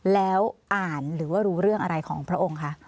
แล้วอ่านหรือว่ารู้เรื่องอะไรของพระองค์คะ